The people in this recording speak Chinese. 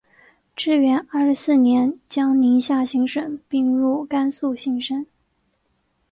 至元二十四年将宁夏行省并入甘肃行省。